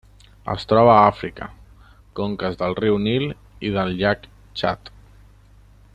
Es troba a Àfrica: conques del riu Nil i del llac Txad.